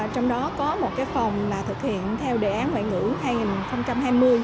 trong đó có một phòng là thực hiện theo đề án ngoại ngữ hai nghìn hai mươi